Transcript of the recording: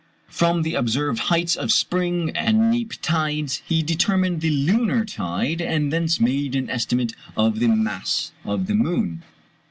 From the observed heights of spring and neap tides he determined the lunar tide, and thence made an estimate of the mass of the moon.